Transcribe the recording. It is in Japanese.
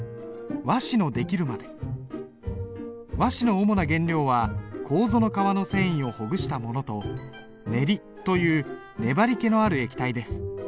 和紙の主な原料は楮の皮の繊維をほぐしたものとネリという粘りけのある液体です。